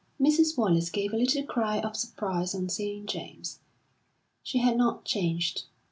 Mrs. Wallace gave a little cry of surprise on seeing James.... She had not changed.